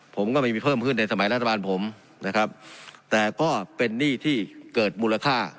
ผมก็ไม่มีเพิ่มขึ้นในสมัยรัฐบาลผมนะครับแต่ก็เป็นหนี้ที่เกิดมูลค่า